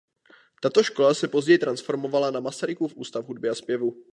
Tato škola se později transformovala na Masarykův ústav hudby a zpěvu.